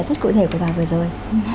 rất cụ thể của bà vừa rồi